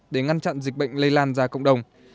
để ngăn chặn dịch bệnh lây lan ra cộng đồng